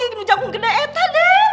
yang janggung gede gede aden